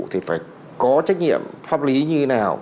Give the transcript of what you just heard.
thì phải có trách nhiệm pháp lý như thế nào